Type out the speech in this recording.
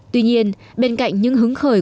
tuy nhiên bên cạnh những hứng khởi